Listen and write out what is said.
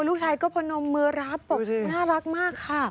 ลูกชายก็พนมมือรับบอกน่ารักมากค่ะ